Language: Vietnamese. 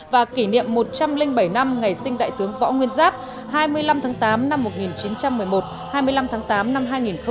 và kỷ niệm một trăm linh bảy năm ngày sinh đại tướng võ nguyên giáp hai mươi năm tháng tám năm một nghìn chín trăm một mươi một hai mươi năm tháng tám năm hai nghìn một mươi chín